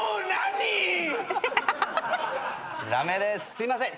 すいません